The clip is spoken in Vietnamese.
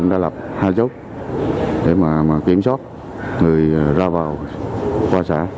với lực lượng chức năng